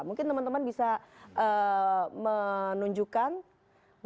mungkin teman teman bisa menunjukkan website dan juga website